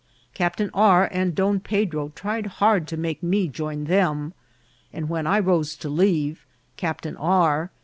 Captain R. and Don Pedro tried hard to make me join them; and when I rose to leave, Captain R.